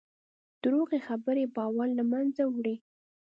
دروغې خبرې باور له منځه وړي.